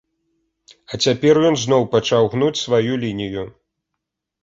А цяпер ён зноў пачаў гнуць сваю лінію.